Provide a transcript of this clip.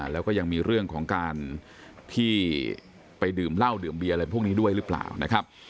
แล้วก็ยังมีเรื่องของการที่ไปดื่มเหล้าดื่มเบียอะไรพวกนี้ด้วยหรือเปล่านะครับ